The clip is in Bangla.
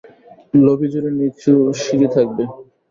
লবি জুড়ে নিচু সিঁড়ি থাকবে।